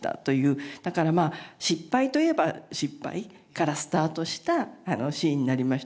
だからまあ失敗といえば失敗からスタートしたシーンになりました。